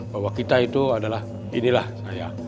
bahwa kita itu adalah inilah saya